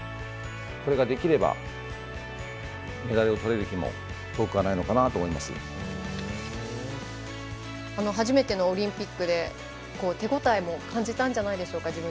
これができればメダルを取れる日も遠くは初めてのオリンピックで手応えも感じたんじゃないでしょうか